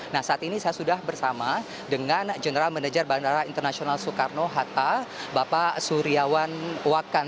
nah saat ini saya sudah bersama dengan general manager bandara internasional soekarno hatta bapak suryawan wakan